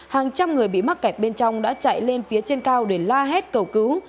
hàng trăm người bị mắc kẹt bên trong đã chạy lên phía trên cao để la hét cầu cứu